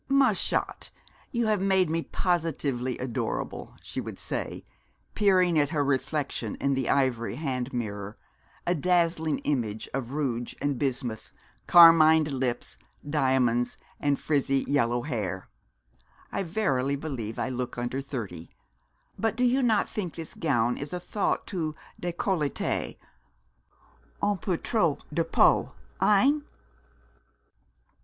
'Ma chatte, you have made me positively adorable,' she would say, peering at her reflection in the ivory hand mirror, a dazzling image of rouge and bismuth, carmined lips, diamonds, and frizzy yellow hair; 'I verily believe I look under thirty but do not you think this gown is a thought too _décolletée un peu trop de peau, hein?